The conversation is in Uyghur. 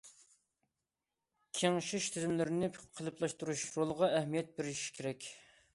كېڭىشىش تۈزۈملىرىنى قېلىپلاشتۇرۇش رولىغا ئەھمىيەت بېرىش كېرەك.